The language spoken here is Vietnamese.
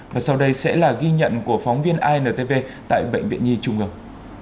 và sau đây sẽ là ghi nhận của phóng viên intv tại bệnh viện nhi trung ương